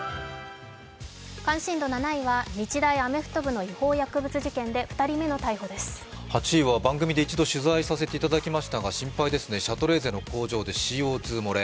関心度７位は日大アメフト部の違法薬物事件で８位は番組で一度、取材させてもらいましたが心配ですね、シャトレーゼの工場でＣＯ２漏れ。